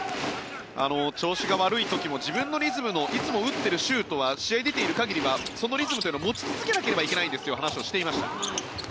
調子が悪い時も自分のリズムのいつも打っているシュートは試合に出ている限りはそのリズムというのは持ち続けなければいけないんですという話をしていました。